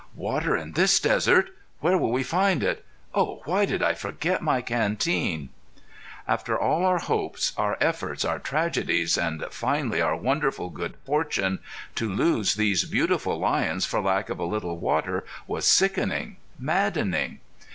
"Water in this desert! Where will we find it? Oh! why, did I forget my canteen!" After all our hopes, our efforts, our tragedies, and finally our wonderful good fortune, to lose these beautiful lions for lack of a little water was sickening, maddening.